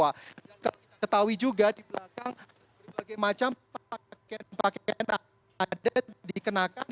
kalau kita ketahui juga di belakang berbagai macam pakaian pakaian adat dikenakan